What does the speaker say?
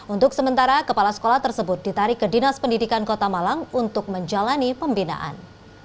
untuk sementara kepala sekolah tersebut ditarik ke dinas pendidikan kota malang untuk menjalani pembinaan